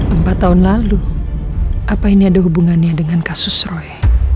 empat tahun lalu apa ini ada hubungannya dengan kasus roy